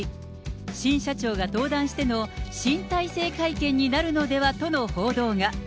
新社長が登壇しての新体制会見になるのではとの報道が。